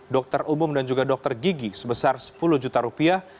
dokter umum dan juga dokter gigi sebesar sepuluh juta rupiah